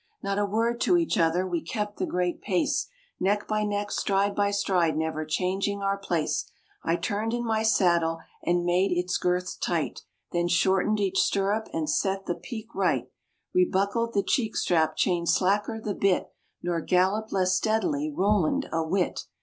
Not a word to each other; we kept the great pace Neck by neck, stride by stride, never changing our place; I turned in my saddle and made its girths tight, Then shortened each stirrup, and set the pique right, Rebuckled the cheek strap, chained slacker the bit, Nor galloped less steadily Roland a whit.